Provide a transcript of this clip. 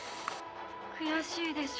「悔しいでしょ？